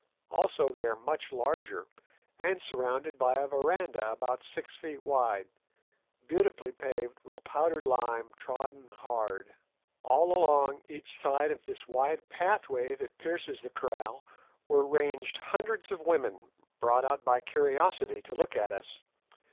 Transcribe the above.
Also they are much larger, and surrounded by a verandah about six feet wide, beautifully paved with powdered lime trodden hard. All along each side of this wide pathway that pierces the kraal were ranged hundreds of women, brought out by curiosity to look at us.